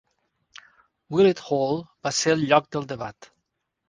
Willett Hall va ser el lloc del debat.